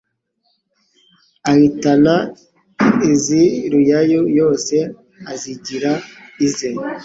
Ahitana iz' i Ruyayu yose azigira ize